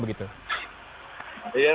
iya terima kasih